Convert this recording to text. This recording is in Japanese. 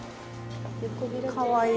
かわいい。